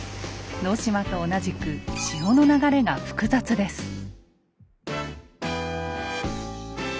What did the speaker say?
能島と同じく潮の流れが複雑です。